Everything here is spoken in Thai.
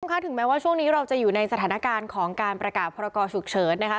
ค่ะถึงแม้ว่าช่วงนี้เราจะอยู่ในสถานการณ์ของการประกาศพรกรฉุกเฉินนะคะ